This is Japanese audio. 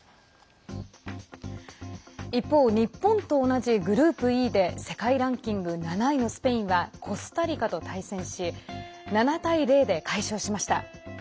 一方、日本と同じグループＥで世界ランキング７位のスペインはコスタリカと対戦し７対０で快勝しました。